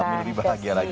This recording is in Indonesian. amiri bahagia lagi